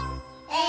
え？